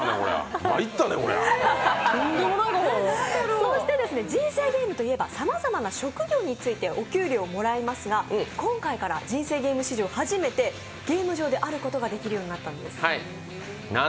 そして「人生ゲーム」といえばさまざまな職業に就いてお給料をもらいますが、今回から「人生ゲーム」史上初めてゲーム上であることができるようになったんです。